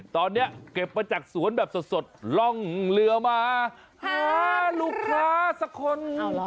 ตอนนี้เก็บมาจากสวนแบบสดล่องเรือมาหาลูกค้าสักคน